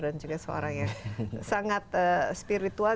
juga seorang yang sangat spiritual